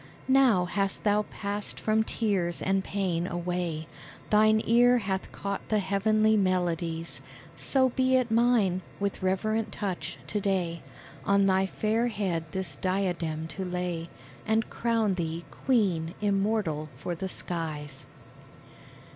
Now hast thou passed from tears and pain away, Thine ear hath caught the heavenly melodies; So be it mine, with reverent touch, to day, On thy fair head this diadem to lay, And crown thee Queen immortal for the skies!